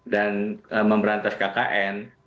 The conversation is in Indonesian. dan memberantas kkn